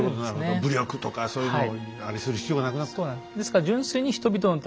武力とかそういうのをあれする必要がなくなった。